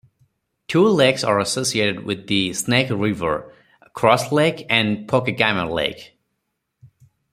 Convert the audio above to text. Two lakes are associated with the Snake River: Cross Lake and Pokegama Lake.